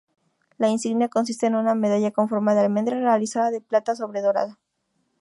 La insignia consiste en una medalla con forma de almendra realizada de plata sobredorada.